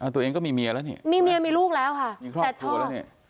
ตัวเองก็มีเมียแล้วนี่มีเมียมีลูกแล้วค่ะแต่ชอบ